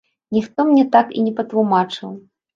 Ніхто мне так і не патлумачыў.